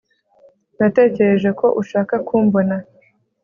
natekereje ko ushaka kumbona